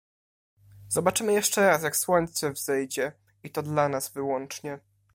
"Zobaczymy jeszcze raz, jak słońce wzejdzie, i to dla nas wyłącznie."